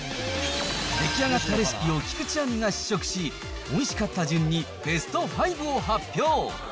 出来上がったレシピを菊地亜美が試食し、おいしかった順にベスト５を発表。